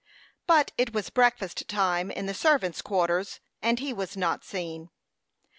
But it was breakfast time in the servants' quarters, and he was not seen.